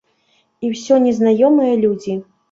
І ўсё незнаёмыя людзі.